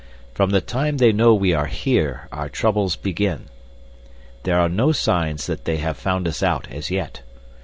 "From the time they know we are here our troubles begin. There are no signs that they have found us out as yet.